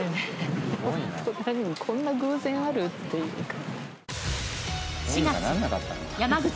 ホント何もこんな偶然あるっていうか。